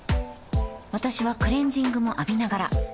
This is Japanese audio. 私はクレジングも浴びながら